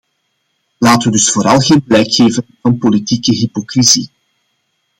Laten we dus vooral geen blijk geven van politieke hypocrisie.